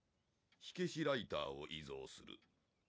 「灯消しライターを遺贈する」